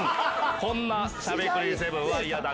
こんな『しゃべくり００７』は嫌だ